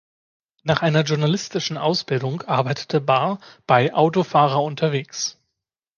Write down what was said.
Nach einer journalistischen Ausbildung arbeitete Bahr bei "Autofahrer unterwegs".